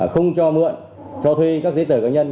không cho mượn cho thuê các giấy tờ cá nhân